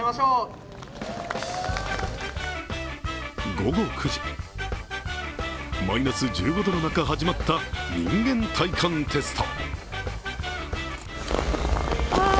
午後９時、マイナス１５度の中始まった人間耐寒テスト。